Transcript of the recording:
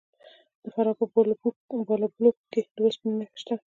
د فراه په بالابلوک کې د وسپنې نښې شته.